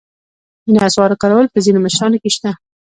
د نصوارو کارول په ځینو مشرانو کې شته.